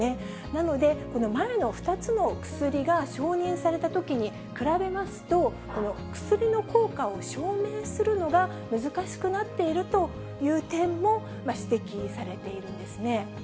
なので、この前の２つの薬が承認されたときに比べますと、薬の効果を証明するのが難しくなっているという点も指摘されているんですね。